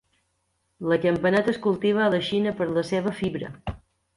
La campaneta es cultiva a la Xina per la seva fibra.